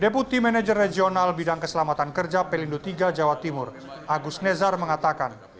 deputi manajer regional bidang keselamatan kerja pelindo tiga jawa timur agus nezar mengatakan